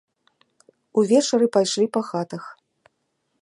Увечары пайшлі па хатах.